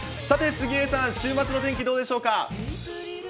さて杉江さん、週末の天気、どうでしょうか。